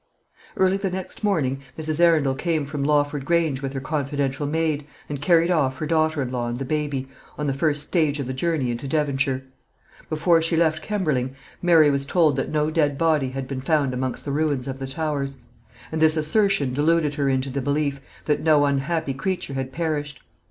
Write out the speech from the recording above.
Early the next morning Mrs. Arundel came from Lawford Grange with her confidential maid, and carried off her daughter in law and the baby, on the first stage of the journey into Devonshire. Before she left Kemberling, Mary was told that no dead body had been found amongst the ruins of the Towers; and this assertion deluded her into the belief that no unhappy creature had perished.